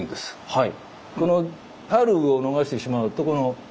はい。